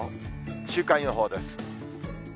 週間予報です。